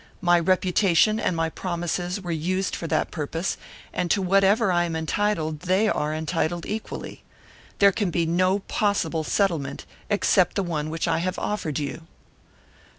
My reputation and my promises were used for that purpose, and to whatever I am entitled, they are entitled equally. There can be no possible settlement except the one which I have offered you."